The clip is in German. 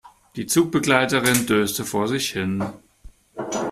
Die Zugbegleiterin döste vor sich hin.